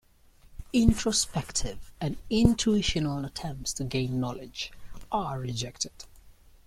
Introspective and intuitional attempts to gain knowledge are rejected.